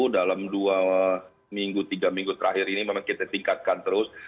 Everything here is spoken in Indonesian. dalam dua minggu tiga minggu terakhir ini memang kita tingkatkan terus